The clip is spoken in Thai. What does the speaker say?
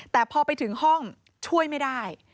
แต่พอไปถึงห้องช่วยไม่ได้